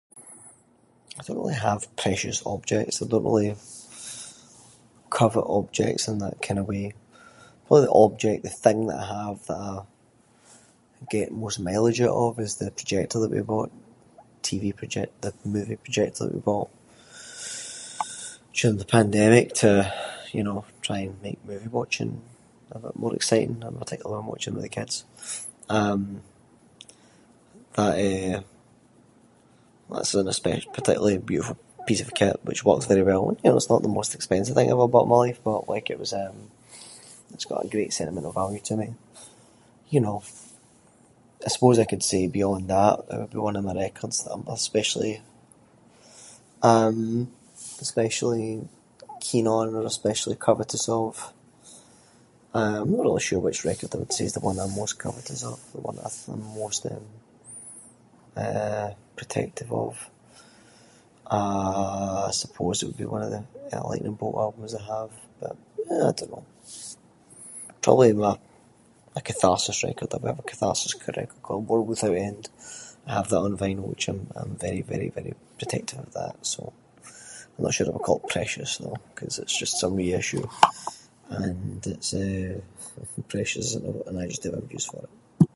I don’t really have precious objects. I don’t really covet objects in that kind of way. Probably the object- the thing that I have that I get most mileage oot of is the projector that we bought. The TV projector- the movie projector that we bought during the pandemic to you know, try and make movie watching a bit more exciting of a time, watching with the kids. Um, that eh- that’s an espec- particularly beautiful piece of kit which works very well, you know it’s not the most expensive thing I’ve ever bought in my life but like it was eh- it’s got a great sentimental value to me, you know. I suppose I could say beyond that, it would be one of my records that I’m par- especially um- especially keen on or especially covetous of. Eh, no really sure which record I’d say’s the one that I’m most covetous of, the one that I’m most eh, eh, protective of. Um, I suppose it’d be one of the Lightning Bolt albums I have, but eh I don’t know. Probably my Catharsis record I’ve ever- Catharsis record [inc] I have that on vinyl which I’m very very very protective of that. So, I’m no sure I would call it precious though, ‘cause it’s just a reissue, and it’s eh [inc] have a use for it.